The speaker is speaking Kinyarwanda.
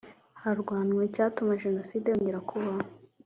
harwanywa icyatuma Jenoside yongera kubaho